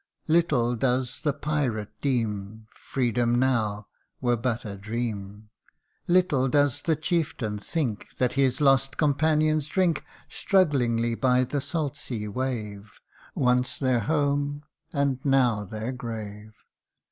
Little does the Pirate deem Freedom now were but a dream ; Little does the chieftain think That his lost companions drink Strugglingly by the salt sea wave, Once their home, and now their grave